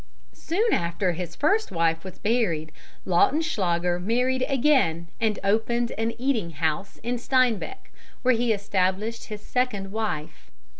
"Soon after his first wife was buried Lautenschlager married again, and opened an eating house in Steinbach, where he established his second wife.